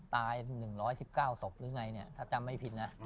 ทราบ๑๑๙ศพหรืออะไรถ้าจำไม่ผิด